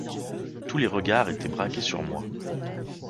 Tous les regards étaient braqués sur moi.